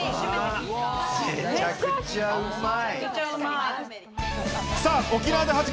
めちゃくちゃうまい。